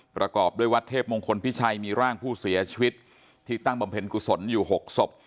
ประกอบด้วยวัดเทพมงคลพิชัยมีร่างผู้เสียชีวิตที่ตั้งบำเพ็ญกุศลอยู่๖ศพ